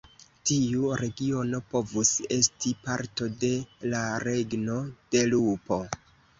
Tiu regiono povus esti parto de la regno de Lupo.